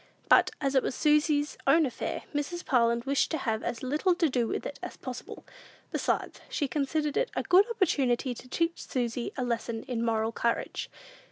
But, as it was Susy's own affair, Mrs. Parlin wished to have as little to do with it as possible. Besides, she considered it a good opportunity to teach Susy a lesson in moral courage.